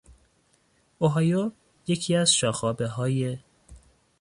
اوهایو یکی از شاخابههای